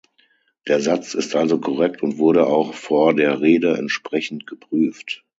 Der Satz ist also korrekt und wurde auch vor der Rede entsprechend geprüft.